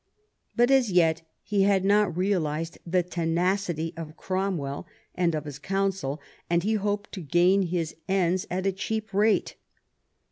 But as yet he had not realised the tenacity of Cromwell and of his Council, and he hoped to gain his ends at a cheap rate.